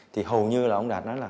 thì hầu như là ông đạt nói là